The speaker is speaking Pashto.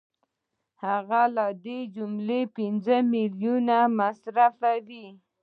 هغه له دې جملې پنځه میلیونه مصرفوي